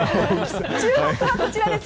注目はこちらです。